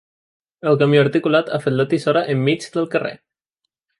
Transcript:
El camió articulat ha fet la tisora enmig del carrer.